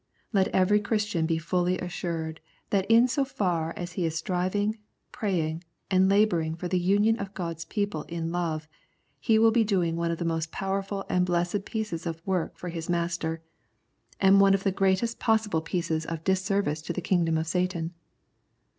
Let every Christian be fully assured that in so far as he is striving, praying, and labouring for the union of God's people In love, he will be doing one of the most powerful and blessed pieces of work for his Master, and one of the greatest possible 83 The Prayers of St. Paul pieces of disservice to the kingdom of Satan.